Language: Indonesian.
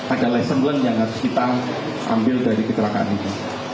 ada lesson learned yang harus kita ambil dari kecelakaan ini